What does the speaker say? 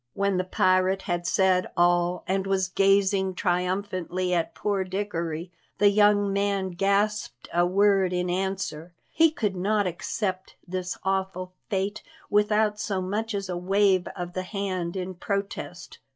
When the pirate had said all and was gazing triumphantly at poor Dickory, the young man gasped a word in answer; he could not accept this awful fate without as much as a wave of the hand in protest.